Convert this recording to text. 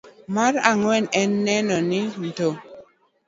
Mar ang'wen en neno ni mto